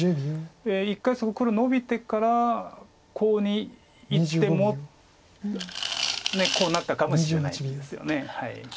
一回そこ黒ノビてからコウにいってもコウになったかもしれないですよね。